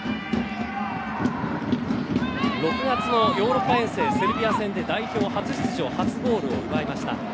６月のヨーロッパ遠征セルビア戦で代表初出場初ゴールを奪いました。